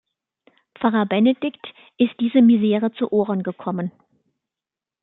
Pfarrer Benedikt ist diese Misere zu Ohren gekommen.